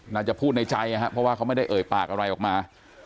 น่าจะพูดในใจนะครับเพราะว่าเขาไม่ได้เอ่ยปากอะไรออกมา